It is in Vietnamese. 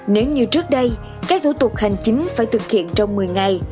nếu như trước đây các thủ tục hành chính phải thực hiện trong một mươi ngày